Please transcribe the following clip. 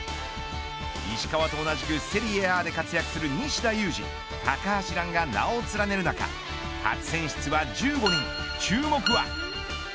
石川と同じくセリエＡで活躍する西田有志高橋藍が名を連ねる中初選出は１５人注目は。